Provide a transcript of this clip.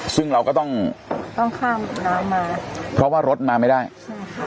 ซึ่งเราก็ต้องต้องข้ามน้ำมาเพราะว่ารถมาไม่ได้ใช่ค่ะ